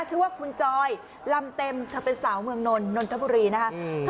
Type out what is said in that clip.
ชื่อว่าคุณจอยลำเต็มเธอเป็นสาวเมืองนนทบุรีนะคะ